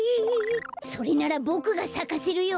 それならボクがさかせるよ。